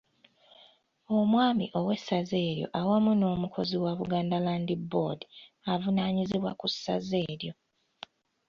Omwami ow'Essaza eryo awamu n'omukozi wa Buganda Land Board avunaanyizibwa ku Ssaza eryo.